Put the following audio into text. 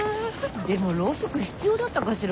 でもろうそく必要だったかしら。